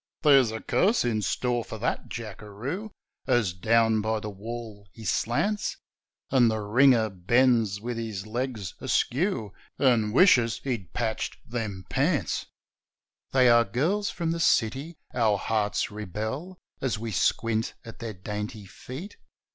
There's a curse in store for that jackaroo As down by the wall he slants And the ringer bends with his legs askew And wishes he'd ' patched them pants.' WHEN THE LADIES COME 53 They are girls from the city. (Our hearts rebel As we squint at their dainty feet.)